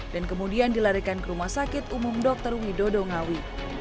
dan kemudian dilarikan ke rumah sakit umum dokter widodo ngawi